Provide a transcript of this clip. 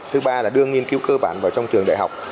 thứ ba là đưa nghiên cứu cơ bản vào trong trường đại học